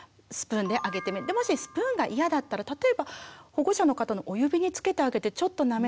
でもしスプーンが嫌だったら例えば保護者の方のお指につけてあげてちょっとなめさせてみる。